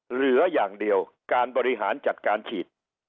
เหลืออย่างเดียวการบริหารจัดการฉีด